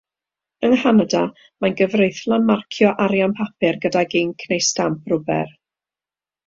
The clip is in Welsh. Yng Nghanada mae'n gyfreithlon marcio arian papur gydag inc neu stamp rwber.